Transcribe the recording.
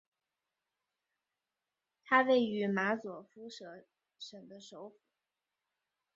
它位于马佐夫舍省的首府。